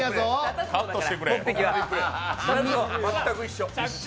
全く一緒。